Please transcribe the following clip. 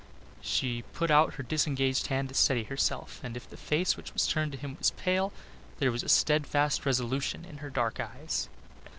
She put out her disengaged hand to steady herself, and if the face which was turned to him was pale, there was a steadfast resolution in her dark eyes.